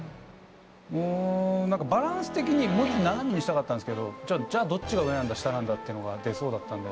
うん何かバランス的にもうちょっと斜めにしたかったんですけどじゃあどっちが上なんだ下なんだってのが出そうだったんで。